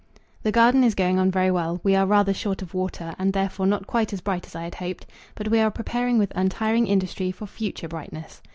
The garden is going on very well. We are rather short of water, and therefore not quite as bright as I had hoped; but we are preparing with untiring industry for future brightness.